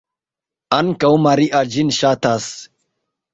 Ankaŭ Maria ĝin ŝatas.